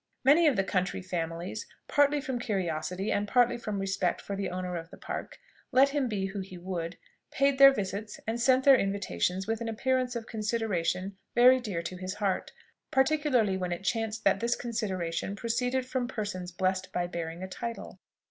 Many of the country families, partly from curiosity, and partly from respect for the owner of the Park, let him be who he would, paid their visits, and sent their invitations with an appearance of consideration very dear to his heart, particularly when it chanced that this consideration proceeded from persons blessed by bearing a title.